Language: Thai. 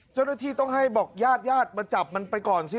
เจ้าหน้าที่ต้องให้บอกญาติญาติมาจับมันไปก่อนสิ